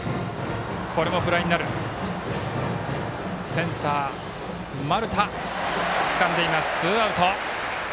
センター、丸田、つかんでツーアウト。